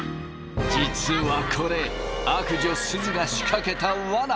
実はこれ悪女すずが仕掛けた罠。